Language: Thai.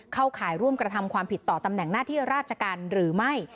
ข่ายร่วมกระทำความผิดต่อตำแหน่งหน้าที่ราชการหรือไม่